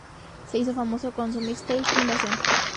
Se hizo famoso con su mixtape "Invasion!